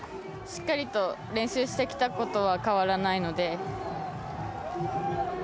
しっかりと練習してきたことは変わらないので。